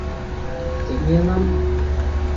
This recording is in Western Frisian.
Dimje lampen.